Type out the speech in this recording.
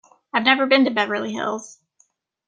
I've never been to Beverly Hills.